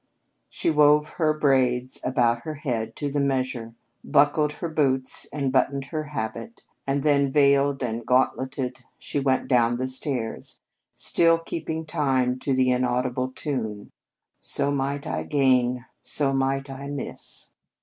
She wove her braids about her head to the measure; buckled her boots and buttoned her habit; and then, veiled and gauntleted she went down the stairs, still keeping time to the inaudible tune: "So might I gain, so might I miss."